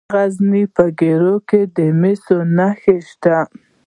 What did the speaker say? د غزني په ګیرو کې د مسو نښې شته.